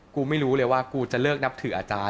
กูไม่รู้เลยว่ากูจะเลิกนับถืออาจารย์